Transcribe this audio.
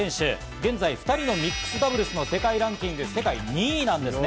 現在２人のミックスダブルスの世界ランキングは世界２位なんですね。